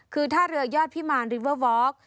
คือท่าเรือยอดพิมารริเวอร์วอล์ก